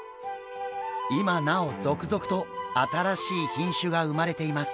今なお続々と新しい品種が生まれています。